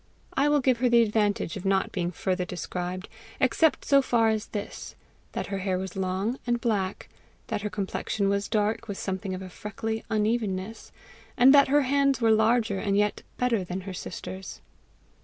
I will give her the advantage of not being further described, except so far as this that her hair was long and black, that her complexion was dark, with something of a freckly unevenness, and that her hands were larger and yet better than her sister's.